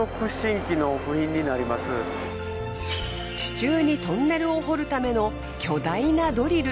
地中にトンネルを掘るための巨大なドリル。